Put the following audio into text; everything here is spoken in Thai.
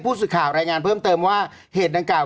สื่อข่าวรายงานเพิ่มเติมว่าเหตุดังกล่าว